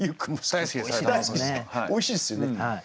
おいしいですよね。